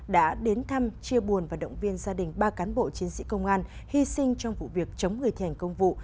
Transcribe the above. đã đến thăm chia buồn và động viên gia đình ba cán bộ chiến sĩ công an hy sinh trong vụ việc chống người thi hành công vụ